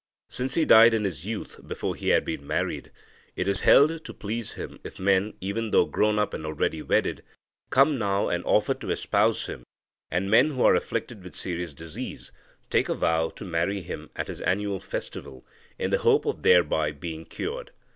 Since he died in his youth, before he had been married, it is held to please him if men, even though grown up and already wedded, come now and offer to espouse him, and men who are afflicted with serious diseases take a vow to marry him at his annual festival in the hope of thereby being cured.